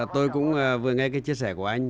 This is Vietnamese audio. tôi cũng vừa nghe cái chia sẻ của anh